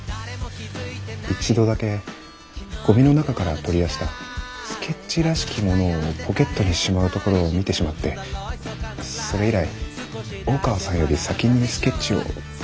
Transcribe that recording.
一度だけゴミの中から取り出したスケッチらしきものをポケットにしまうところを見てしまってそれ以来大川さんより先にスケッチを回収してるんです。